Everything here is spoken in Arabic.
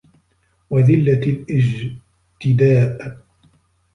وَذِلَّةِ الِاجْتِدَاءِ